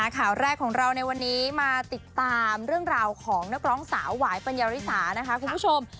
ข่าวแรกของเราในวันนี้มาติดตามเรื่องราวของนักร้องสาวหวายปัญญาริสานะคะคุณผู้ชม